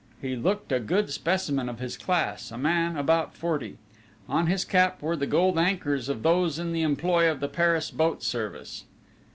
He looked a good specimen of his class, a man about forty. On his cap were the gold anchors of those in the employ of the Paris boat service.